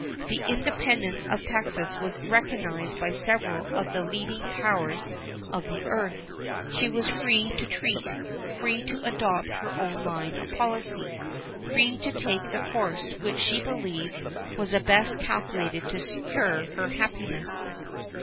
The independence of Texas was recognized by several of the leading powers of the earth. She was free to treat, free to adopt her own line of policy, free to take the course which she believed was best calculated to secure her happiness.